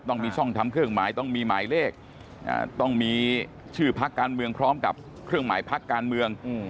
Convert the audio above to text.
ต้องมีช่องทำเครื่องหมายต้องมีหมายเลขต้องมีชื่อพักการเมืองพร้อมกับเครื่องหมายพักการเมือง